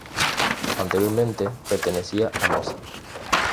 Anteriormente pertenecía a Mosa.